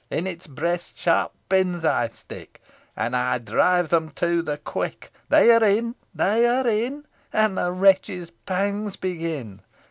In its breast sharp pins I stick, And I drive them to the quick. They are in they are in And the wretch's pangs begin.